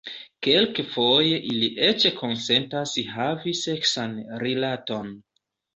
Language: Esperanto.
Kelkfoje ili eĉ konsentas havi seksan rilaton.